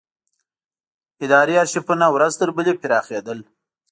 اداري ارشیفونه ورځ تر بلې پراخېدل.